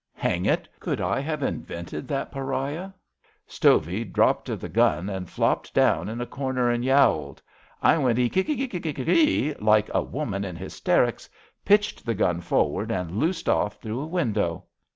Hang it ! Could I have invented that pariah! Stovey dropped of the gun and flopped down in a comer and yowled. I went ' ee hi ri ki re! ' like a woman in hysterics, pitched the gun forward and loosed off through'^a window."